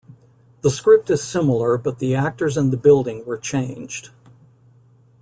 The script is similar but the actors and the building were changed.